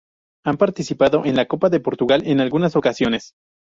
Han participado en la Copa de Portugal en algunas ocasiones.